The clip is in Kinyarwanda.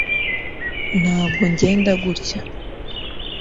ntabwo ngenda gutya